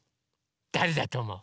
だれだとおもう？